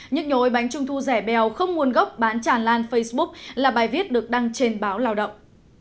nhức nhối bánh trung thu rẻ bèo không nguồn gốc bán tràn lan facebook là bài viết được đăng trên báo lao động